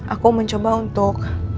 aku mencoba untuk